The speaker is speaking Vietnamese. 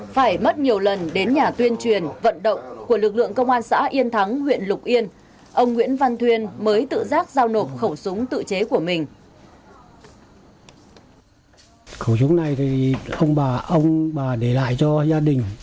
phải mất nhiều lần đến nhà tuyên truyền vận động của lực lượng công an xã yên thắng huyện lục yên ông nguyễn văn thuyên mới tự giác giao nộp khẩu súng tự chế của mình